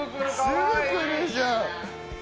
すぐ来るじゃん。